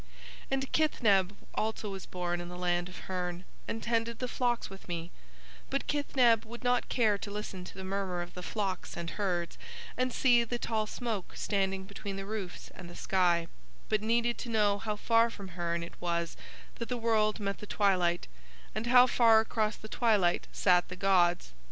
"And Kithneb also was born in the land of Hurn and tended the flocks with me, but Kithneb would not care to listen to the murmur of the flocks and herds and see the tall smoke standing between the roofs and the sky, but needed to know how far from Hurn it was that the world met the twilight, and how far across the twilight sat the gods.